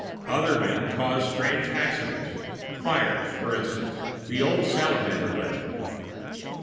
Other men caused strange accidents fires, for instance the old salamander legend!